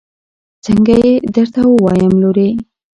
څنګه يې درته ووايم لورې.